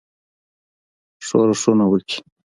ښورښونه وکړي.